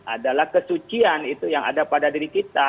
adalah kesucian itu yang ada pada diri kita